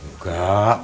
oh enggak mah